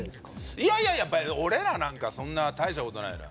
いやいやいややっぱ俺らなんかそんな大したことないのよ